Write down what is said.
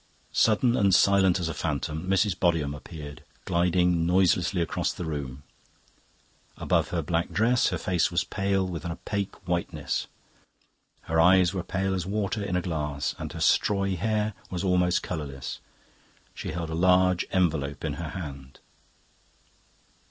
Sudden and silent as a phantom Mrs. Bodiham appeared, gliding noiselessly across the room. Above her black dress her face was pale with an opaque whiteness, her eyes were pale as water in a glass, and her strawy hair was almost colourless. She held a large envelope in her hand.